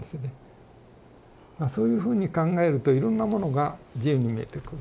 そういうふうに考えるといろんなものが自由に見えてくる。